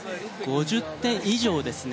５０点以上ですね。